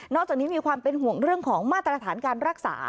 จากนี้มีความเป็นห่วงเรื่องของมาตรฐานการรักษา